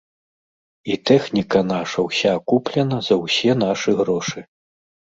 І тэхніка наша ўся куплена за ўсе нашы грошы.